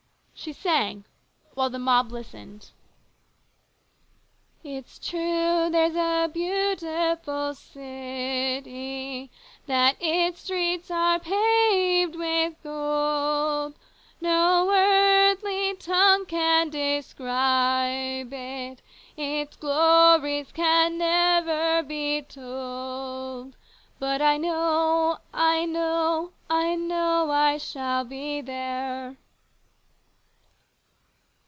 She sang while the mob listened :." It's true there's a beautiful city, That its streets are paved with gold : No earthly tongue can describe it ; Its glories can never be told. But I know, I know ! I know I shall be there.